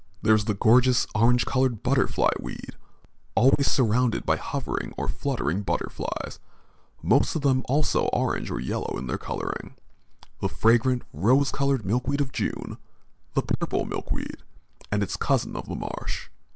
There is the gorgeous orange colored butterfly weed, always surrounded by hovering or fluttering butterflies, most of them also orange or yellow in their coloring; the fragrant, rose colored milkweed of June, the purple milkweed and its cousin of the marsh.